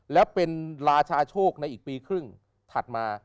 แล้วเป็นราชาโชคในอีกปีครึ่งถัดมา